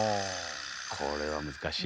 これは難しい。